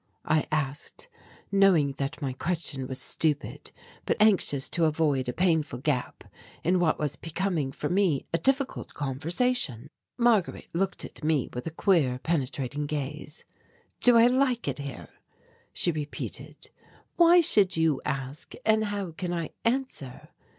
I asked, knowing that my question was stupid, but anxious to avoid a painful gap in what was becoming, for me, a difficult conversation. Marguerite looked at me with a queer penetrating gaze. "Do I like it here?" she repeated. "Why should you ask, and how can I answer?